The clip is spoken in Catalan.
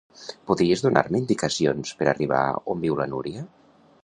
Podries donar-me indicacions per arribar on viu la Núria?